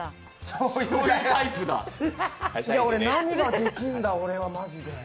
何ができんだ俺はマジで。